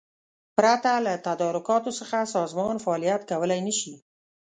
پرته له تدارکاتو څخه سازمان فعالیت کولای نشي.